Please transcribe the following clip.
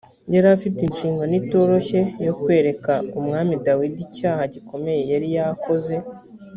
yari afite inshingano itoroshye yo kwereka umwami dawidi icyaha gikomeye yari yakoze